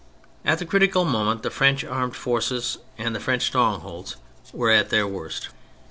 At this critical moment the French armed forces and the French strongholds were at their worst.